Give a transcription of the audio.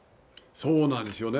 そうなんですよね。